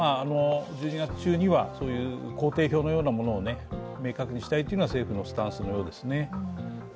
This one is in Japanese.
１２月中には工程表のようなものを明確にしたいというのが政府のスタンスのようですね。